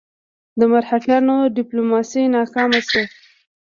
د مرهټیانو ډیپلوماسي ناکامه شوه.